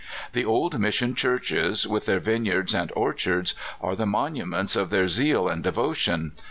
The old mission churches, with their vineyards and orchards, are the monu ments of their zeal and devotion.